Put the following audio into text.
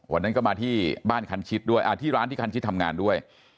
วันนั้นก็มาที่ร้านที่คันชิดทำงานด้วย